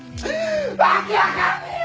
訳わかんねえよ！